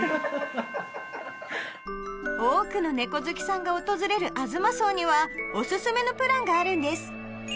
多くの猫好きさんが訪れるあづま荘にはおすすめのプランがあるんです